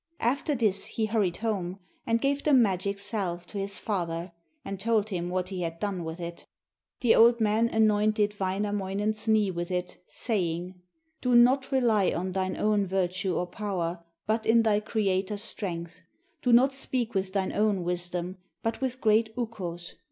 After this he hurried home and gave the magic salve to his father, and told him what he had done with it. The old man anointed Wainamoinen's knee with it, saying: 'Do not rely on thine own virtue or power, but in thy creator's strength; do not speak with thine own wisdom, but with great Ukko's.